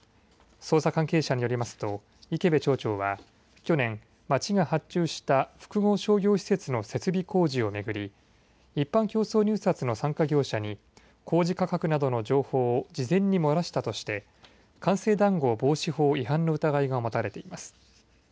捜査関係者によりますと池部町長は去年町が発注した複合商業施設の設備工事を巡り、一般競争入札の参加業者に工事価格などの情報を事前に漏らしたとして官製談合防止法違反の疑いが持たれています。